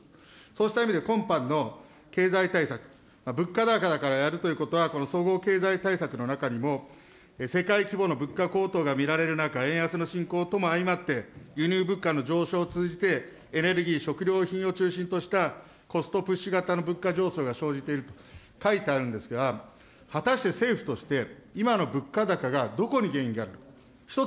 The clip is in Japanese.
そうした意味で、今般の経済対策、物価高だからやるということは、この総合経済対策の中にも、世界規模の物価高騰が見られる中、円安の進行とも相まって、輸入物価の上昇を通じてエネルギー、食料品を中心としたコストプッシュ型の物価上昇が生じていると書いてあるんですが、果たして、政府として今の物価高がどこに原因があると。